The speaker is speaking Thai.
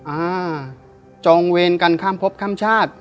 อ่าจองเวรกันข้ามพบข้ามชาติ